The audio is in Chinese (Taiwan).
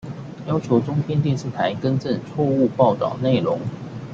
要求中天電視台更正錯誤報導內容